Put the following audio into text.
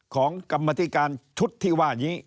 ของกรรมธิการทุฏธิว่านี้